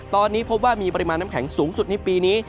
ตอนนี้พบว่ามีปริมาณน้ำแข็งสูงสุดในปีนี้